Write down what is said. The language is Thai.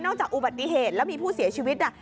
จากอุบัติเหตุแล้วมีผู้เสียชีวิต